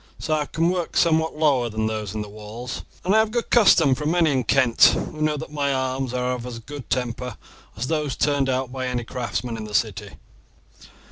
So I can work somewhat lower than those in the walls, and I have good custom from many in Kent, who know that my arms are of as good temper as those turned out by any craftsman in the city."